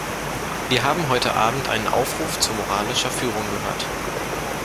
Wir haben heute Abend einen Aufruf zu moralischer Führung gehört.